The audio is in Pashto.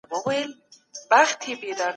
که څوک بې ګناه انسان ووژني نو مجرم دی.